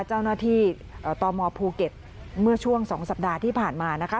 เจ้าหน้าที่ตมภูเก็ตเมื่อช่วง๒สัปดาห์ที่ผ่านมานะคะ